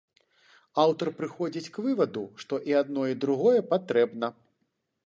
Аўтар прыходзіць к вываду, што і адно і другое патрэбна.